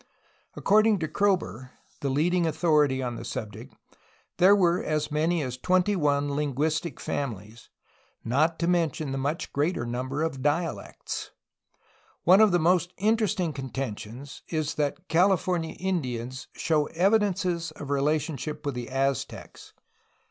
According to Kroeber, the leading authority on the subject, there were as many as twenty one finguistic families, not to mention the much greater number of dialects. One of the most inter esting contentions is that California Indians show evidences of relationship with the Aztecs.